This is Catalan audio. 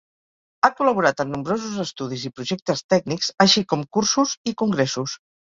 Ha col·laborat en nombrosos estudis i projectes tècnics, així com cursos i congressos.